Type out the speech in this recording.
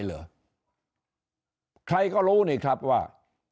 เหรอใครก็รู้นี่ครับว่า